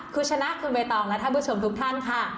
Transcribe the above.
คุณชนะคุณใบตองและท่านผู้ชมทุกท่านค่ะ